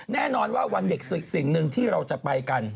แน่นอนว่าวันเด็กสิ่งหนึ่งที่เราจะไปกัน